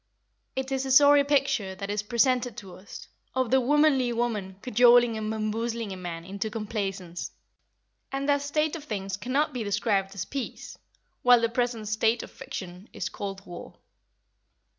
It is a sorry picture that is presented to us, of the "womanly" woman cajoling and bamboozling a man into complaisance, and that state of things cannot be described as peace, while the present state of friction is called war.